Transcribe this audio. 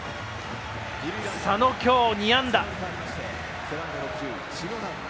佐野、今日２安打。